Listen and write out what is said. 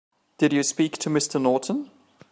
Did you speak to Mr. Norton?